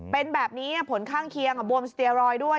เป็นแบบนี้ผลข้างเคียงบวมสเตียรอยด์ด้วย